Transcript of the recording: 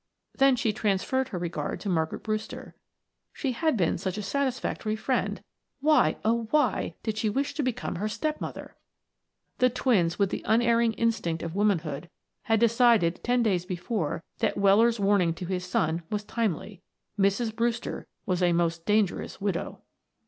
Then she transferred her regard to Margaret Brewster; she had been such a satisfactory friend why oh, why did she wish to become her step mother? The twins, with the unerring instinct of womanhood, had decided ten days before that Weller's warning to his son was timely Mrs. Brewster was a most dangerous widow.